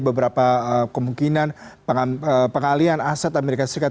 beberapa kemungkinan pengalian aset amerika serikat